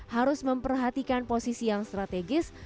harus memperhatikan posisi yang strategis